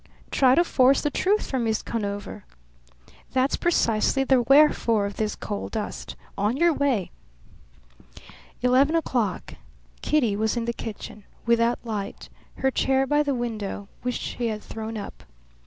"Try to force the truth from Miss Conover." "That's precisely the wherefore of this coal dust. On your way!" Eleven o'clock. Kitty was in the kitchen, without light, her chair by the window, which she had thrown up.